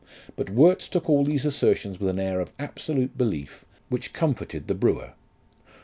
But Worts took all these assertions with an air of absolute belief which comforted the brewer.